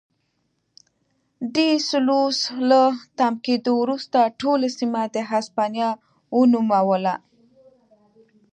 ډي سلوس له تم کېدو وروسته ټوله سیمه د هسپانیا ونوموله.